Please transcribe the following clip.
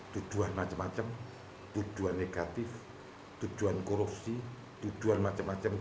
tujuan macam macam tujuan negatif tujuan korupsi tujuan macam macam